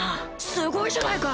すごいじゃないか！